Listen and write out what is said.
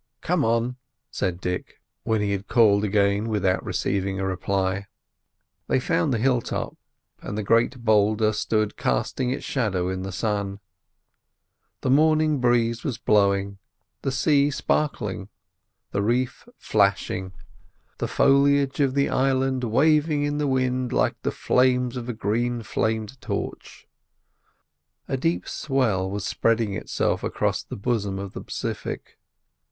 "Come on," said Dick, when he had called again without receiving a reply. They found the hill top, and the great boulder stood casting its shadow in the sun. The morning breeze was blowing, the sea sparkling, the reef flashing, the foliage of the island waving in the wind like the flames of a green flamed torch. A deep swell was spreading itself across the bosom of the Pacific.